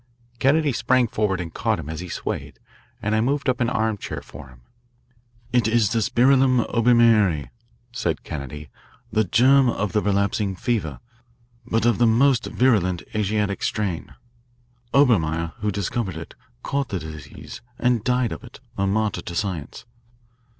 Kennedy sprang forward and caught him as he swayed, and I moved up an armchair for him. It is the spirillum Obermeieri," said Kennedy, "the germ of the relapsing fever, but of the most virulent Asiatic strain. Obermeyer, who discovered it, caught the disease and died of it, a martyr to science."